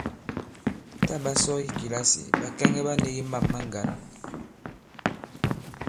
Tǎ ɓa sɔ i kìlasì, ɓàkɛŋɛ ɓa nīgī mâm ma ŋgǎn.